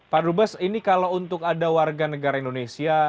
pak dubes ini kalau untuk ada warga negara indonesia